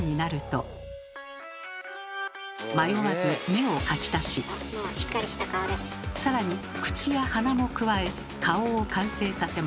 迷わず目を描き足し更に口や鼻も加え顔を完成させました。